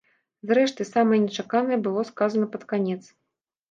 Зрэшты, самае нечаканае было сказана пад канец.